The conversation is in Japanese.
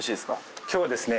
今日ですね